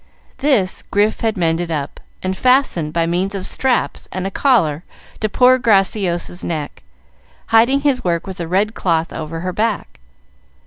This Grif had mended up, and fastened by means of straps and a collar to poor Graciosa's neck, hiding his work with a red cloth over her back.